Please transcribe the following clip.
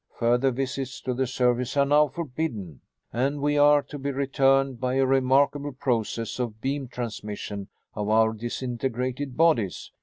Further visits to the surface are now forbidden, and we are to be returned by a remarkable process of beam transmission of our disintegrated bodies."